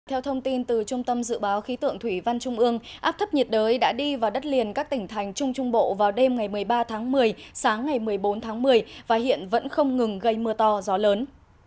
theo thông tin từ trung tâm dự báo khí tượng thủy văn trung ương áp thấp nhiệt đới đã đi vào đất liền các tỉnh thành trung trung bộ vào đêm ngày một mươi ba tháng một mươi sáng ngày một mươi bốn tháng một mươi và hiện vẫn không ngừng gây mưa to gió lớn